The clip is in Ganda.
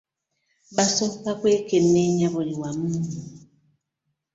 Basooka kwekenneenya buli wamu.